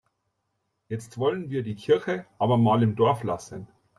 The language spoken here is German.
Jetzt wollen wir die Kirche aber mal im Dorf lassen.